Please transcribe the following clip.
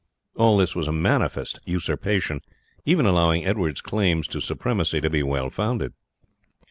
All this was a manifest usurpation, even allowing Edward's claims to supremacy to be well founded.